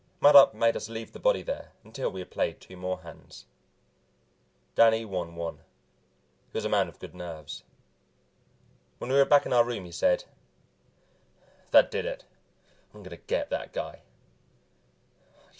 Mattup made us leave the body there until we had played two more hands. Danny won one; he was a man with good nerves. When we were back in our room he said, "That did it I'm going to get that guy."